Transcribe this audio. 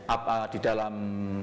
apa di dalam